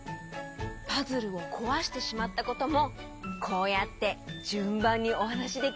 パズルをこわしてしまったこともこうやってじゅんばんにおはなしできる？